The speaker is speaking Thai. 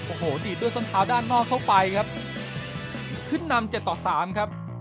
โอ้โหดีดด้วยส้นเท้าด้านนอกเข้าไปครับขึ้นนำเจ็ดต่อสามครับ